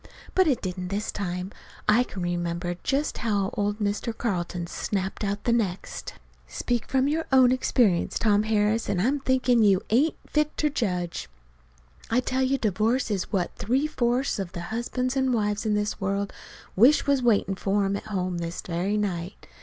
But it didn't this time. I can remember just how old Mr. Carlton snapped out the next. "Speak from your own experience, Tom Harris, an' I'm thinkin' you ain't fit ter judge. I tell you divorce is what three fourths of the husbands an' wives in the world wish was waitin' for 'em at home this very night.